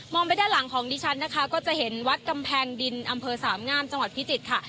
ไปด้านหลังของดิฉันนะคะก็จะเห็นวัดกำแพงดินอำเภอสามงามจังหวัดพิจิตรค่ะ